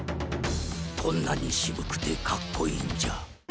こんなにしぶくてかっこいいんじゃ。